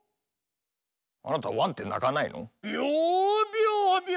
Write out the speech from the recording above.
あなたワンってなかないの？